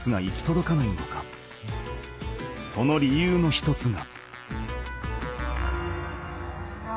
その理由の一つが。